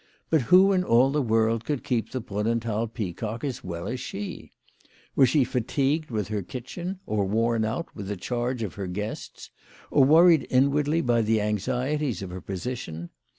But who in all the world could keep the Brunnenthal Peacock as well as she ? Was she fatigued with her kitchen, or worn out with the charge of her guests, or worried inwardly by the anxieties of her position